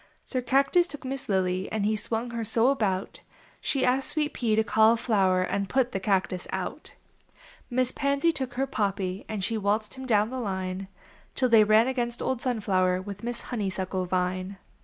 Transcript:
Sir Cactus took Miss Lily, And he swung her so about She asked Sweet Pea to Cauliflower And put the Cactus out. Miss Pansy took her Poppy And she waltx.ed him down the line Till they ran against old Sunflower With Miss Honeysuckle Vine.